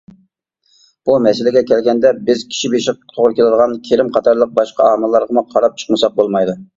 بۇ مەسىلىگە كەلگەندە بىز كىشى بېشىغا توغرا كېلىدىغان كىرىم قاتارلىق باشقا ئامىللارغىمۇ قاراپ چىقمىساق بولمايدۇ.